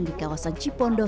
di kawasan cipondo